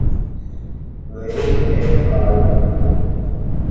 Wei et al.